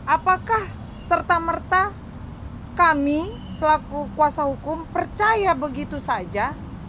apakah serta merta kami selaku kuasa hukum percaya begitu saja